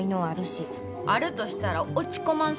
あるとしたら落ち込まん才能や。